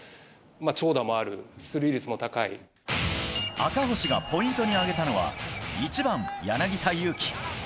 赤星がポイントに挙げたのは１番、柳田悠岐。